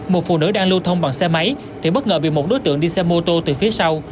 một phụ nữ đang lưu thông bằng xe máy thì bất ngờ bị một đối tượng đi xe mô tô từ phía sau